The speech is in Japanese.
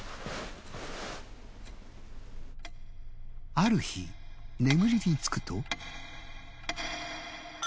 ある日眠りにつくと。